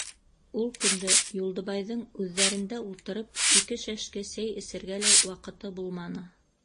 Ул көндө Юлдыбайҙың үҙҙәрендә ултырып ике шәшке сәй эсергә лә ваҡыты булманы.